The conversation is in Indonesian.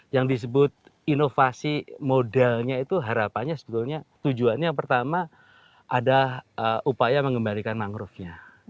yang disebut inovasi modalnya itu harapannya sebetulnya tujuannya yang pertama ada upaya mengembalikan mangrovenya